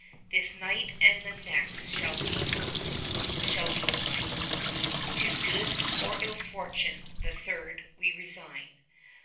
This night and the next shall be hers, shall be mine, To good or ill fortune the third we resign.